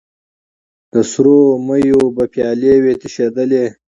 د سرو میو به پیالې وې تشېدلې